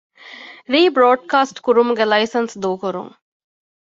ރީބްރޯޑްކާސްޓް ކުރުމުގެ ލައިސަންސް ދޫކުރުން